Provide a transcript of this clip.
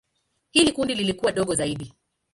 Hili kundi lilikuwa dogo zaidi.